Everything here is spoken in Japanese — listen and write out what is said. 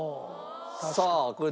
さあこれ